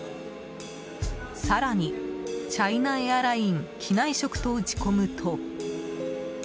更に「チャイナエアライン機内食」と打ち込むと。